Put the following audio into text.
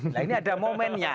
nah ini ada momennya